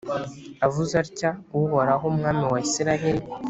avuze atya uhoraho, umwami wa israheli,